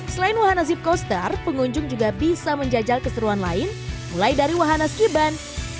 selain wahana zip coaster pengunjung juga bisa menjajal keseruan lain mulai dari wahana skiban